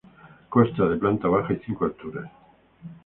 Consta de planta baja y cinco alturas.